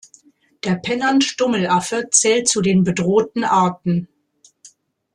Der Pennant-Stummelaffe zählt zu den bedrohten Arten.